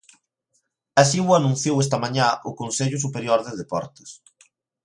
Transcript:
Así o anunciou esta mañá o consello superior de deportes.